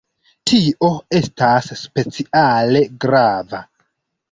Tio estas speciale grava.